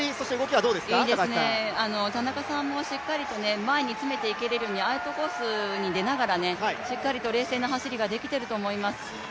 田中さんもしっかりと前につけていけるようにアウトコースに出ながらしっかりと冷静な動きができていると思います。